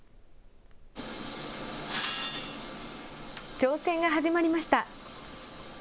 挑戦が始まりました。